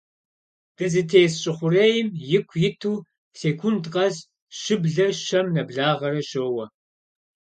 Дызытес Щӏы Хъурейм, ику иту, секунд къэс щыблэр щэм нэблагъэрэ щоуэ.